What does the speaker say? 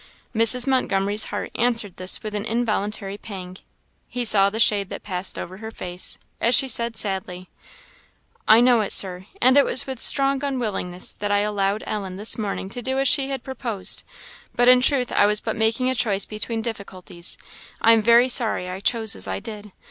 Mrs. Montgomery's heart answered this with an involuntary pang. He saw the shade that passed over her face, as she said sadly "I know it, Sir; and it was with strong unwillingness that I allowed Ellen this morning to do as she had proposed; but in truth I was but making a choice between difficulties. I am very sorry I chose as I did.